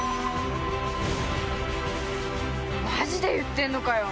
マジで言ってんのかよ？